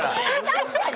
確かに。